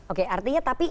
oke artinya tapi ini